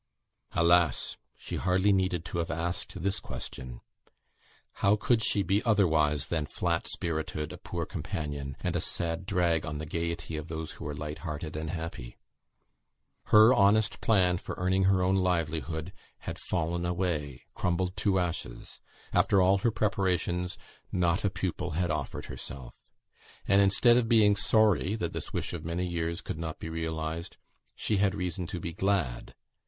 Alas! she hardly needed to have asked this question. How could she be otherwise than "flat spirited," "a poor companion," and a "sad drag" on the gaiety of those who were light hearted and happy! Her honest plan for earning her own livelihood had fallen away, crumbled to ashes; after all her preparations, not a pupil had offered herself; and, instead of being sorry that this wish of many years could not be realised, she had reason to be glad.